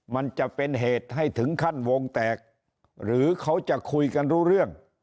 มันจะเป็นเหตุให้ถึงขั้นวงแตกหรือเขาจะคุยกันรู้เรื่อง